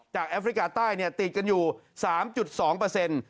จากแอฟริกาใต้เนี้ยติดกันอยู่สามจุดสองเปอร์เซ็นต์